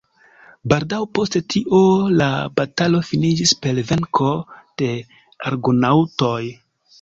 Baldaŭ post tio la batalo finiĝis per venko de Argonaŭtoj.